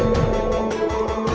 jangan sampai sini